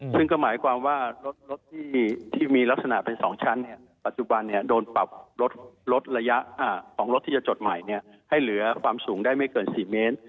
ซึ่งก็หมายความว่ารถรถที่ที่มีลักษณะเป็นสองชั้นเนี่ยปัจจุบันเนี่ยโดนปรับรถรถระยะอ่าของรถที่จะจดใหม่เนี่ยให้เหลือความสูงได้ไม่เกินสี่เมตร